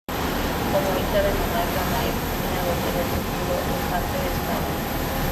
Como hija de monarca, María Cristina gozó del título "infanta de España".